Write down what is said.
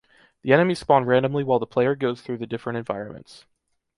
The enemies spawn randomly while the player goes through the different environments.